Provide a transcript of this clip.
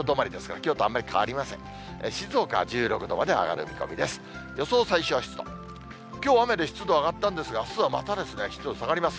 きょう雨で湿度上がったんですが、あすはまた湿度下がります。